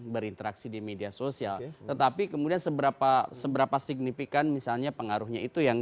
berinteraksi di media sosial tetapi kemudian seberapa seberapa signifikan misalnya pengaruhnya itu yang